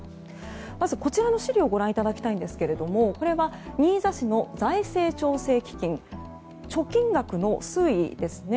まず、こちらの資料をご覧いただきたいんですがこれは新座市の財政調査基金貯金額の推移ですね。